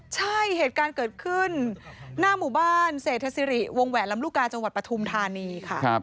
ใช่เหตุการณ์เกิดขึ้นหน้าหมู่บ้านเศรษฐศิริวงแหวนลำลูกกาจังหวัดปฐุมธานีค่ะ